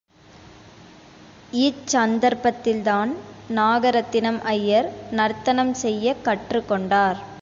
இச் சந்தர்ப்பத்தில்தான் நாகரத்தினம் ஐயர் நர்த்தனம் செய்யக் கற்றுக்கொண்டார்.